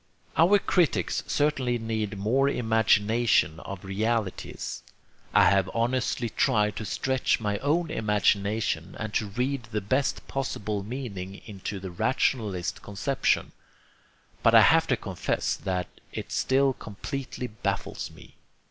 Our critics certainly need more imagination of realities. I have honestly tried to stretch my own imagination and to read the best possible meaning into the rationalist conception, but I have to confess that it still completely baffles me.